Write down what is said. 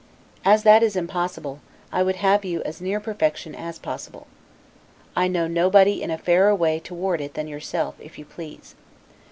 As that is impossible, I would have you as near perfection as possible. I know nobody in a fairer way toward it than yourself, if you please.